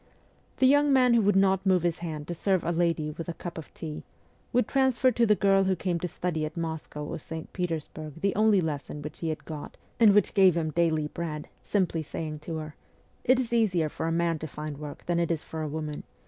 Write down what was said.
The young man who would not move his hand to serve a lady with a cup of tea, would transfer to the girl who came to study at Moscow or St. Petersburg the only lesson which he had got and which gave him daily bread, simply saying to her :' It is easier for a man to find work than it is for a woman.